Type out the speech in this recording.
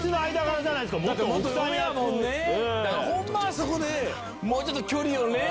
あそこでもうちょっと距離をね